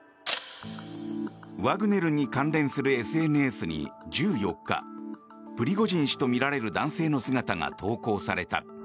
ワグネルに関連するＳＮＳに１４日プリゴジン氏とみられる男性の姿が投稿された。